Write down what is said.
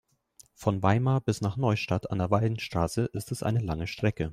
Von Weimar bis nach Neustadt an der Weinstraße ist es eine lange Strecke